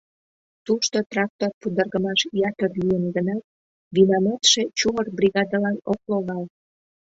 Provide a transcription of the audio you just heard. Тушто трактор пудыргымаш ятыр лийын гынат, винаматше чумыр бригадылан ок логал.